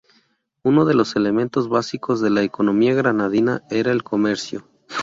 Uno de los elementos básicos de la economía granadina era el comercio.